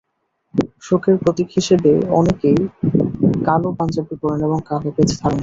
শোকের প্রতীক হিসেবে অনেকেই কালো পাঞ্জাবি পরেন এবং কালোব্যাজ ধারণ করেন।